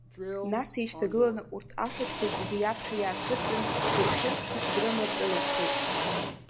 Нас еишьҭагыланы урҭ афатәқәа зегьы иаԥхьа иаацәырҵын, дырхьырԥшны дрыма рҿынархеит.